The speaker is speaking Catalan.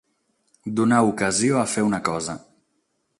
Donar ocasió a fer una cosa.